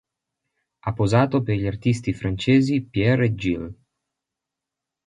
Ha posato per gli artisti francesi Pierre et Gilles.